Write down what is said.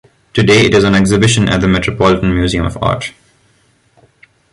Today, it is on exhibition at the Metropolitan Museum of Art.